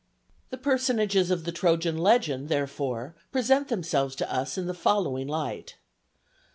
The personages of the Trojan legend therefore present themselves to us in the following light.